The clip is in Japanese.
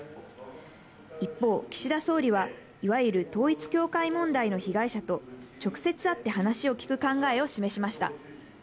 一方、岸田総理はいわゆる統一教会問題の被害者と直接会って話を聞く考えを示しました。